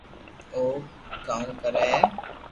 او ڪاو ڪري ھي